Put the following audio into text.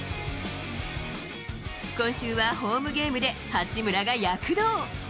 今週はホームゲームで八村が躍動。